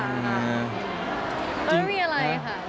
เราไม่มีอะไรค่ะ